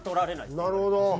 なるほど。